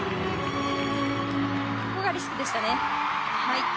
ここがリスクでしたね。